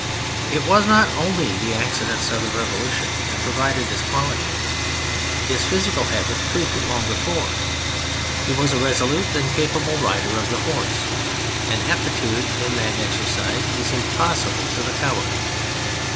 It was not only the accidents of the Revolu tion that proved this quality in him : his physical habits proved it long before. He was a resolute and capable rider of the horse : an aptitude in that exercise is impossible to the coward.